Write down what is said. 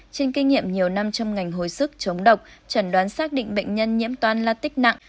trên kinh nghiệm nhiều năm trong ngành hồi sức chống độc chẩn đoán xác định bệnh nhân nhiễm toan la tích nặng